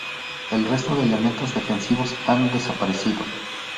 El resto de elementos defensivos han desaparecido.